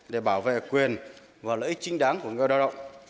để bảo vệ quyền và lợi ích chính đáng của người lao động